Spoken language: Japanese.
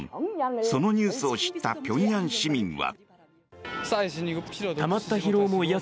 そのニュースを知った平壌市民は。